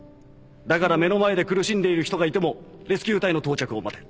だから目の前で苦しんでいる人がいてもレスキュー隊の到着を待て。